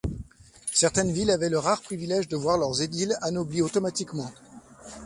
Certaines villes avaient le rare privilège de voir leurs édiles anoblis automatiquement.